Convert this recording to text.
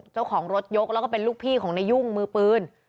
เจ้าของรถยกแล้วก็เป็นลูกพี่ของนายยุ่งมือปืน